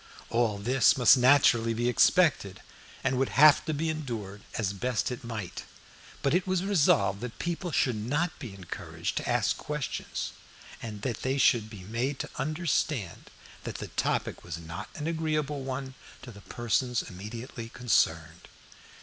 All this must naturally be expected, and would have to be endured as best it might; but it was resolved that people should not be encouraged to ask questions, and that they should be made to understand that the topic was not an agreeable one to the persons immediately concerned.